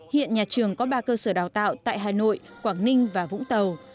hiện nhà trường có ba cơ sở đào tạo tại hà nội quảng ninh và vũng tàu